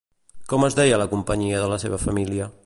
Com es deia la companyia de la seva família?